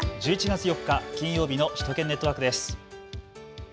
１１月４日、金曜日の首都圏ネットワークです。